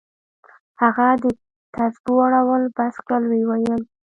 هغه د تسبو اړول بس كړل ويې ويل.